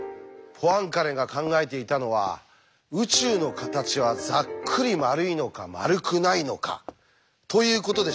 ポアンカレが考えていたのは「宇宙の形はざっくり丸いのか丸くないのか」ということでしたよね。